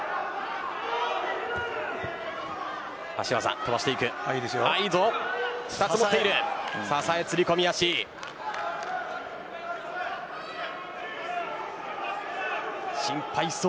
足技を飛ばしています。